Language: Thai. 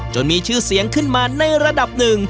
มีชื่อเสียงขึ้นมาในระดับหนึ่ง